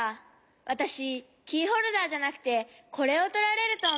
わたしキーホルダーじゃなくてこれをとられるとおもって。